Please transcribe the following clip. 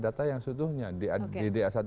data yang sesungguhnya di da satu